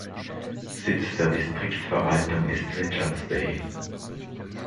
Sitz der Distriktverwaltung ist Richards Bay.